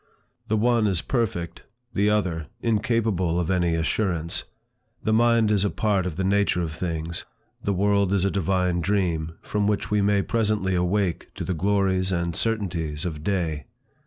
The one is perfect; the other, incapable of any assurance; the mind is a part of the nature of things; the world is a divine dream, from which we may presently awake to the glories and certainties of day.